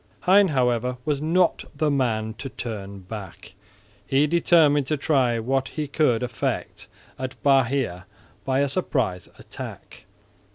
Hein however was not the man to turn back. He determined to try what he could effect at Bahia by a surprise attack.